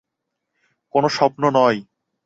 কোনো স্বপ্ন নয়।